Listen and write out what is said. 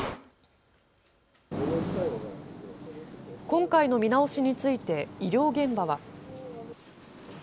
今回の見直しについて医療現場は。